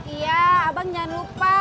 iya abang jangan lupa